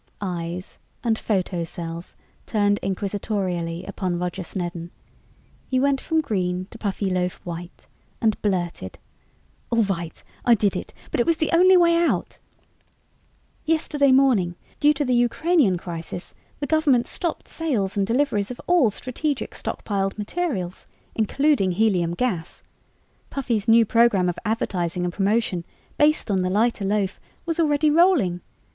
Eyes and photocells turned inquisitorially upon Roger Snedden. He went from green to Puffyloaf white and blurted: "All right, I did it, but it was the only way out! Yesterday morning, due to the Ukrainian crisis, the government stopped sales and deliveries of all strategic stockpiled materials, including helium gas. Puffy's new program of advertising and promotion, based on the lighter loaf, was already rolling.